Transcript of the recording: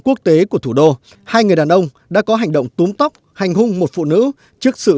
quốc tế của thủ đô hai người đàn ông đã có hành động túm tóc hành hung một phụ nữ trước sự